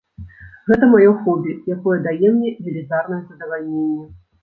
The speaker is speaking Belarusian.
Гэта маё хобі, якое дае мне велізарнае задавальненне.